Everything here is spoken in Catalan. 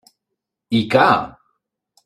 I ca!